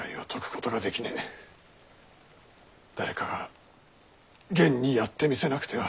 誰かが現にやって見せなくては。